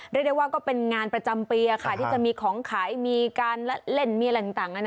เรียกได้ว่าก็เป็นงานประจำปีที่จะมีของขายมีการละเล่นมีอะไรต่าง